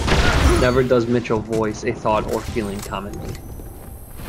Never does Mitchell voice a thought or feeling commonly.